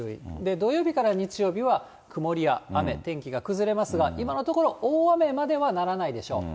土曜日から日曜日は曇りや雨、天気が崩れますが、今のところ大雨まではならないでしょう。